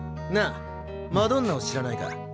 なあマドンナを知らないか？